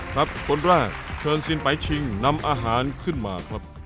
คนแรกเชิญสินไปชิงนำอาหารขึ้นมาครับ